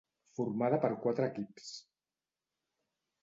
Formada per quatre equips: